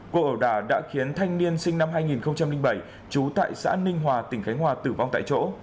cô ẩu đà đã khiến thanh niên sinh năm hai nghìn bảy trú tại xã ninh hòa tỉnh khánh hòa tử vong tại chỗ